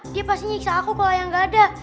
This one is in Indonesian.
dia pasti nyiksa aku kalau yang gak ada